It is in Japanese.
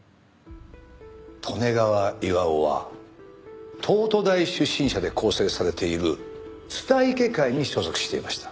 利根川巌は東都大出身者で構成されている蔦池会に所属していました。